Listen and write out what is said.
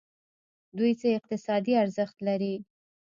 دوی څه اقتصادي ارزښت لري.